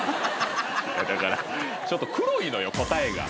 だからちょっと黒いのよ答えが。